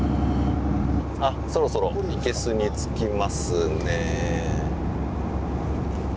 あっそろそろ生けすに着きますね。